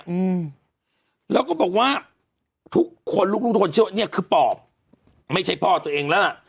อืมแล้วก็บอกว่าทุกคนลูกลูกทุกคนเชื่อว่าเนี้ยคือปอบไม่ใช่พ่อตัวเองแล้วล่ะ